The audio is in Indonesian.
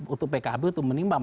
untuk pkb untuk menimbang